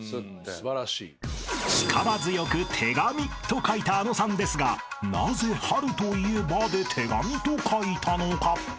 ［力強く「手紙」と書いたあのさんですがなぜ「春といえば」で「手紙」と書いたのか？］